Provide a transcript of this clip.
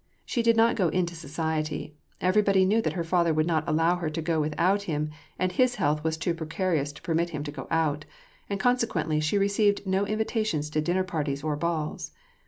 She did not go into society : everybody knew that her father would not allow her to go without him, and his health was too precarious to permit him to go out ; and, consequently, she received no invitations to dinner parties or balls.